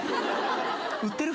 売ってる？